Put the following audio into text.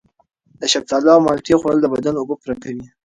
د شفتالو او مالټې خوړل د بدن اوبه پوره کوي.